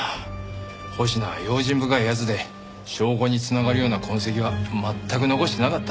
保科は用心深い奴で証拠に繋がるような痕跡は全く残してなかった。